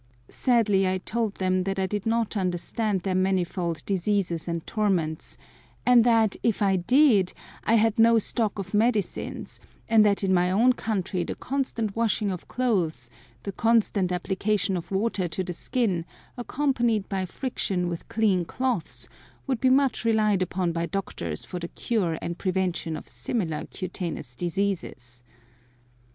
Sadly I told them that I did not understand their manifold "diseases and torments," and that, if I did, I had no stock of medicines, and that in my own country the constant washing of clothes, and the constant application of water to the skin, accompanied by friction with clean cloths, would be much relied upon by doctors for the cure and prevention of similar cutaneous diseases.